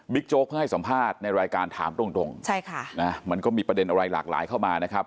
โจ๊กเพื่อให้สัมภาษณ์ในรายการถามตรงใช่ค่ะนะมันก็มีประเด็นอะไรหลากหลายเข้ามานะครับ